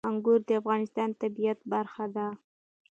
انګور د افغانستان د طبیعت برخه ده.